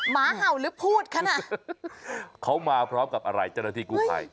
ม้าเห่าหรือพูดคะน่ะเขามาพร้อมกับอะไรจัดหน้าธีปกฎภัย